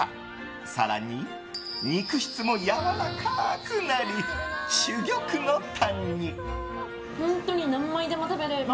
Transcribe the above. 更に、肉質もやわらかくなり珠玉のタンに。